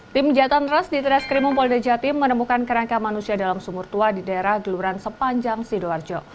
tim jatantras di teras krimum polideja tim menemukan kerangka manusia dalam sumur tua di daerah geluran sepanjang sidoarjo